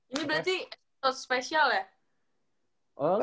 ini berarti spesial ya